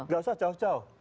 gak usah jauh jauh